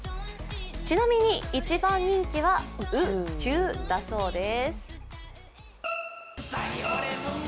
ちなみに一番人気はう・ちゅうだそうです。